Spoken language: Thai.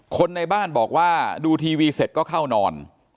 คนในบ้านบอกว่าดูทีวีเสร็จก็เข้านอน